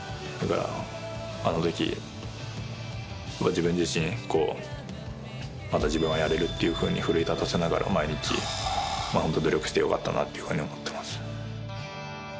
自分自身こうまだ自分はやれるっていうふうに奮い立たせながら毎日ホント努力してよかったなっていうふうに思ってます。